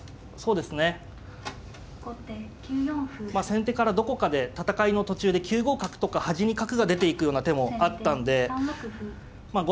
先手からどこかで戦いの途中で９五角とか端に角が出ていくような手もあったんでまあ